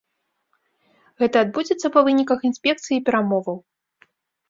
Гэта адбудзецца па выніках інспекцыі і перамоваў.